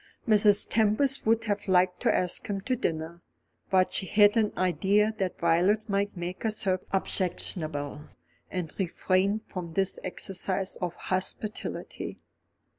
Mrs. Tempest would have liked to ask him to dinner; but she had an idea that Violet might make herself objectionable, and refrained from this exercise of hospitality.